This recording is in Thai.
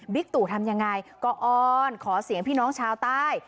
ตู่ทำยังไงก็อ้อนขอเสียงพี่น้องชาวใต้